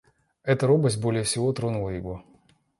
Эта робость более всего тронула его.